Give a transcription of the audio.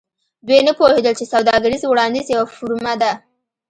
دوی نه پوهیدل چې سوداګریز وړاندیز یوه فورمه ده